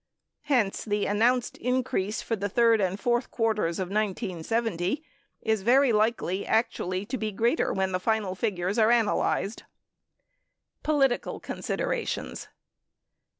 Hence, the announced increase for the third and fourth quarters of 1970 is very likely actually to be greater when the final figures are analyzed. Political considerations.